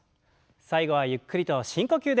最後はゆっくりと深呼吸です。